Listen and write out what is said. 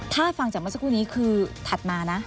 ถ้าฟังจากเมื่อสักครู่นี้คือถัดมานะ